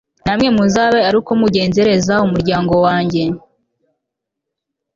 namwe muzabe ari ko muzagenzereza umuryango wanjye